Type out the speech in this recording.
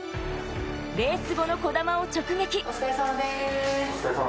レース後の児玉を直撃。